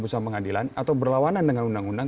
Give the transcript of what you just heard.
besar pengadilan atau berlawanan dengan undang undang